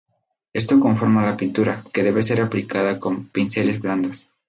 Esto conforma la pintura, que debe ser aplicada con pinceles blandos.